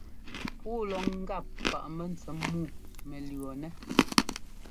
Puu lɔ ŋ́gap kwaꞌ mɛntsɛm muu mɛ lʉ̈ɔnɛ́.